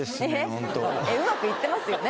ホントうまくいってますよね？